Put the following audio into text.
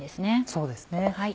そうですね。